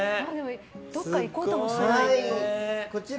どこか行こうともしない。